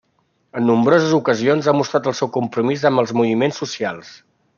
En nombroses ocasions ha mostrat el seu compromís amb els moviments socials.